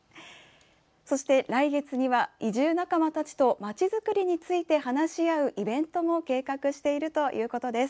そして来月には移住仲間たちとまちづくりについて話し合うイベントも計画しているということです。